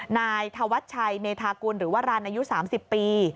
นายธวัชชัยเมธากุลหรือว่ารันอายุ๓๐ปี